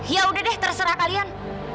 ya udah deh terserah kalian